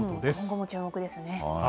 今後も注目ですね。